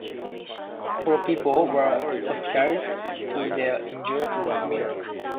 Four people were hospitalised, though their injuries were minor.